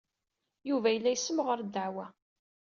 Yuba yella yessemɣar ddeɛwa.